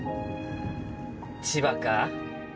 千葉か？